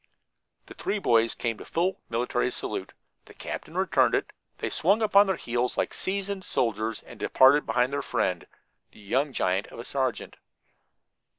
The three boys came to full military salute, the captain returned it, they swung upon their heels like seasoned soldiers and departed behind their friend, the young giant of a sergeant.